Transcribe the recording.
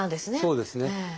そうですね。